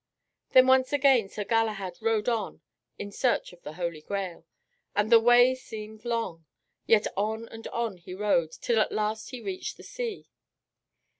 Then once again Sir Galahad rode on in search of the Holy Grail. And the way seemed long, yet on and on he rode, till at last he reached the sea.